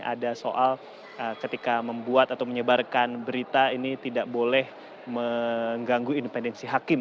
ada soal ketika membuat atau menyebarkan berita ini tidak boleh mengganggu independensi hakim